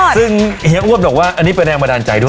ซึ่งเฮียอ้วนบอกว่าอันนี้เป็นแรงบันดาลใจด้วย